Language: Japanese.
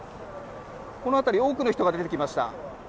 この辺り多くの人が出てきました。